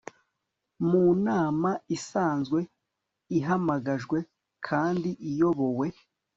mu nama isanzwe ihamagajwe kandi iyobowe